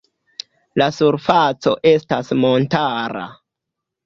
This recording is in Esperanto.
La surfaco estas montara.